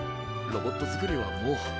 ロボットづくりはもう。